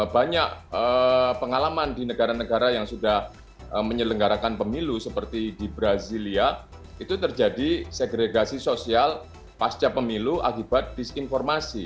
banyak pengalaman di negara negara yang sudah menyelenggarakan pemilu seperti di brazilia itu terjadi segregasi sosial pasca pemilu akibat disinformasi